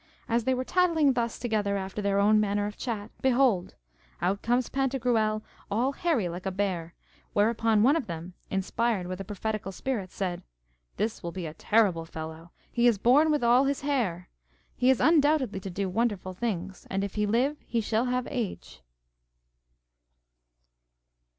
As they were tattling thus together after their own manner of chat, behold! out comes Pantagruel all hairy like a bear, whereupon one of them, inspired with a prophetical spirit, said, This will be a terrible fellow; he is born with all his hair; he is undoubtedly to do wonderful things, and if he live he shall have age.